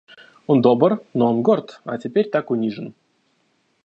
Он добр, но он горд, а теперь так унижен.